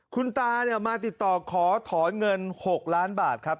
คุณตามาติดต่อขอถอนเงิน๖ล้านบาทครับ